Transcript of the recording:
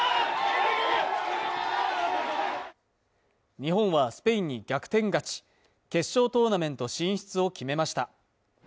日本はスペインに逆転勝ち決勝トーナメント進出を決めました